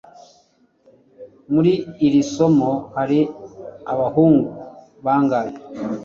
muri iri somo hari abahungu bangahe